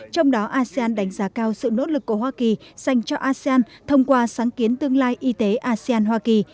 trong đó asean đánh giá cao sự nỗ lực của hoa kỳ dành cho asean thông qua sáng kiến tương lai y tế asean hoa kỳ